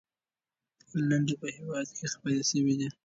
لنډۍ په هېواد کې خپرې سوي دي.